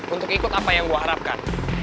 untuk ikut apa yang gue harapkan